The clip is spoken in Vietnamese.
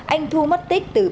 anh thu mất tích từ ba ngày